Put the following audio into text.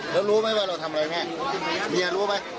แล้วรู้ไหมว่าเราทำอะไรแม่เมียรู้ไหม